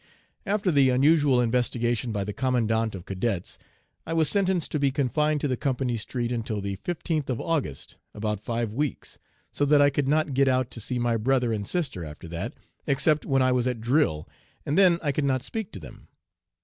"After the usual 'investigation' by the Commandant of Cadets, I was sentenced to be confined to the 'company street' until the 15th of August, about five weeks, so that I could not get out to see my brother and sister after that, except when I was at drill, and then I could not speak to them.